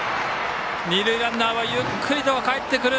二塁ランナーはゆっくりとかえってくる。